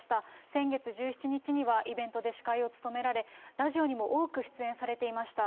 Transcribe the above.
先月１７日には、イベントで司会を務められ、ラジオにも多く出演されていました。